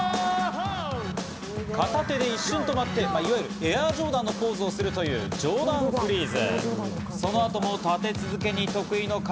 片手で一瞬止まって、いわゆるエアージョーダンのポーズをするというジョーダンフリーズ。